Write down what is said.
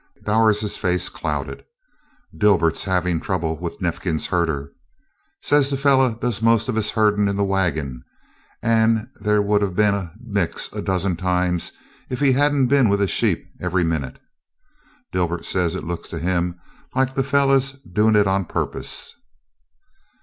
Bowers's face clouded. "Dibert's havin' trouble with Neifkins's herder says the feller does most of his herdin' in the wagon, and there would a been a 'mix' a dozen times if he hadn't been with his sheep every minute. Dibert says it looks to him like the feller's doin' it on purpose."